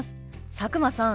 佐久間さん